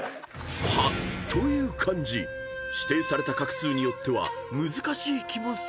［「葉」という漢字指定された画数によっては難しい気もするが］